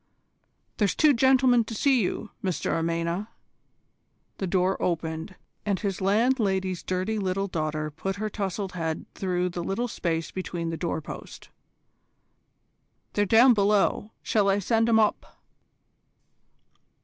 "There's two gentlemen to see you, Mr Amena." The door opened, and his landlady's dirty little daughter put her towsled head through the little space behind the doorpost. "They're down below; shall I send 'em up?"